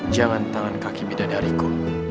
jangan tangan kaki beda dariku